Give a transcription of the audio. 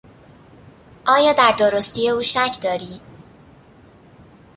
آیا در درستی او شک داری؟